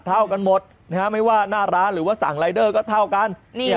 เท่ากันหมดนะฮะไม่ว่าหน้าร้านหรือว่าสั่งรายเดอร์ก็เท่ากัน